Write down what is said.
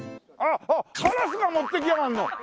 あっカラスが持っていきやがんの！